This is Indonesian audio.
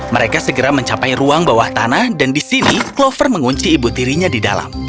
mereka segera mencapai ruang bawah tanah dan di sini clover mengunci ibu tirinya di dalam